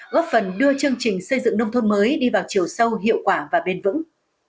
góp phần đưa chương trình xây dựng nông thôn mới đi vào chiều sâu hiệu quả và bền vững